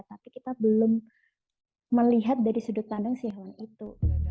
tapi kita belum melihat dari sudut pandang si hewan itu